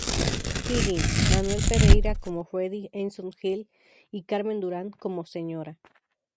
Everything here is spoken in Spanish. Higgins, Manuel Pereyra como Freddy Eynsford-Hill y Carmen Durand como Sra.